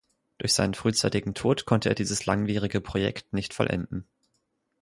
Durch seinen frühzeitigen Tod konnte er dieses langwierige Projekt nicht vollenden.